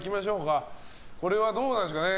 これは、どうなんですかね。